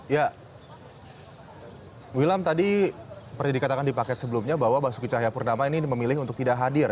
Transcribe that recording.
ya wilam tadi seperti dikatakan di paket sebelumnya bahwa basuki cahayapurnama ini memilih untuk tidak hadir